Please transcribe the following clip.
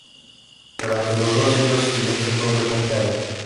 Durante los dos siglos siguientes fue frecuente aún.